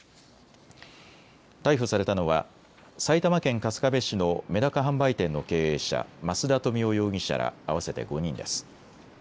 逮捕されたのは埼玉県春日部市のメダカ販売店の経営者、増田富男容疑者ら合わせて５人です。